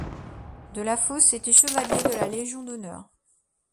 Delafosse était chevalier de la Légion d’honneur.